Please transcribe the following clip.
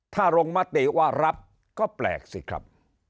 ถ้าลงมติว่ารับก็แปลกสิครับ